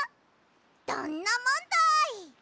どんなもんだい！